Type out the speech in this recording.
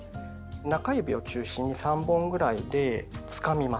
中指を中心に３本ぐらいでつかみます。